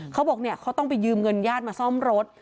เขาบอกเนี่ยเขาต้องไปยืมเงินญาติมาซ่อมรถ